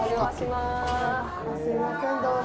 「すみませんどうも。